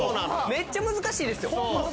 めっちゃ難しいですよ。